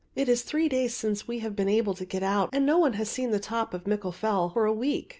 "It is three days since we have been able to get out and no one has seen the top of Mickle Fell for a week.